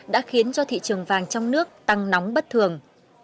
đã khiến cho thị trường vàng trong nước tăng nóng bất thường